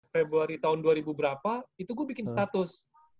februari tahun dua ribu berapa itu gue bikin status